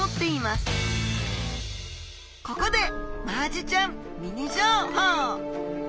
ここでマアジちゃんミニ情報。